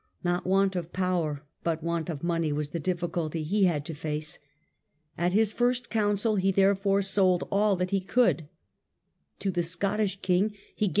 Not want of power, but want of money was the difficulty he had to face. At his first council he therefore sold all The settle ^^^^^ could. To the Scottish king he gavi..